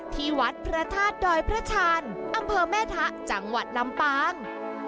ที่วัดพระธาตุดอยพระชาญอำเภอแม่ทะจังหวัดลำปาง